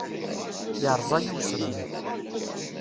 Yerẓa-yi usemmiḍ.